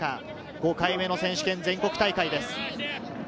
５回目の選手権全国大会です。